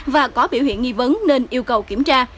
và có biểu hiện nghi vấn nên yêu cầu kiểm tra